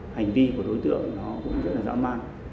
hành vi của đối tượng nó cũng rất là dã man